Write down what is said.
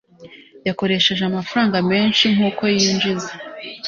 yakoresheje amafaranga menshi nkuko yinjiza